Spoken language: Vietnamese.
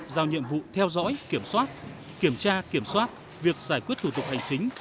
giao nhiệm vụ theo dõi kiểm soát kiểm tra kiểm soát việc giải quyết thủ tục hành chính